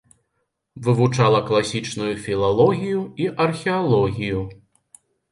Вывучала класічную філалогію і археалогію.